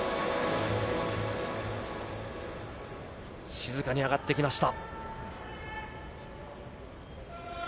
静かに上がってきました。